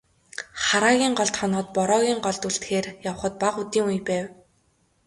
Хараагийн голд хоноод, Бороогийн голд үлдэхээр явахад бага үдийн үе байв.